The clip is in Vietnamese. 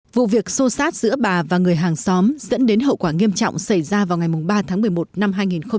vụ việc xô xát giữa bà và người hàng xóm dẫn đến hậu quả nghiêm trọng xảy ra vào ngày ba tháng một mươi một năm hai nghìn một mươi bảy